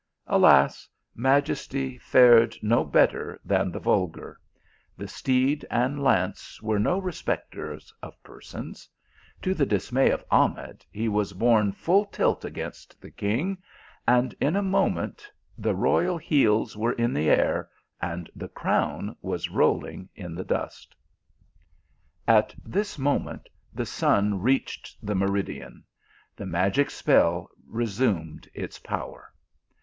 Alas, majesty fared no better than the vulgar ; the steed and lance were no respecters of persons ; to the dismay of Ahmed, he was borne full tilt against the king, and in a moment the royal heels were in the air, and the crown was rolling in the dust. At this moment the sun reached the meridian ; the magic spell resumed its power.